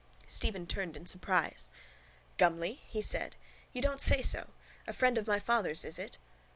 Stephen turned in surprise. —Gumley? he said. You don't say so? A friend of my father's, is it?